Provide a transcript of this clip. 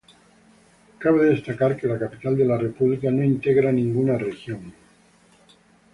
Cabe destacar que la capital de la república no integra ninguna región.